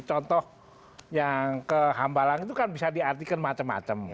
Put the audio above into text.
contoh yang ke hambalang itu kan bisa diartikan macam macam